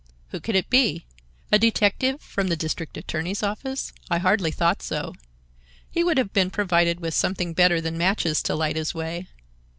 Who could it be? A detective from the district attorney's office? I hardly thought so. He would have been provided with something better than matches to light his way.